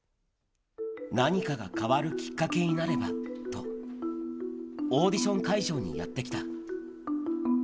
何かが変わるきっかけになればと、オーディション会場にやって来た。